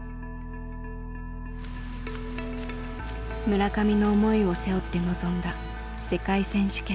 村上の思いを背負って臨んだ世界選手権。